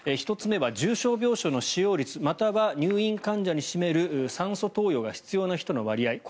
１つ目は重症病床の使用率または入院患者に占める酸素投与が必要な人の割合。